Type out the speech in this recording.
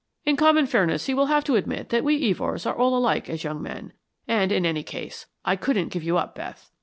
In common fairness he will have to admit that we Evors are all alike as young men; and, in any case, I couldn't give you up, Beth.